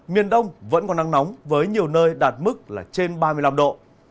miền đông vẫn có nắng nóng với nhiều nơi đạt mức trên ba mươi năm độ